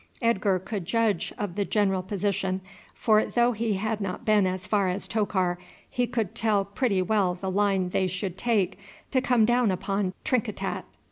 Edgar could judge of the general position, for though he had not been as far as Tokar he could tell pretty well the line they should take to come down upon Trinkitat.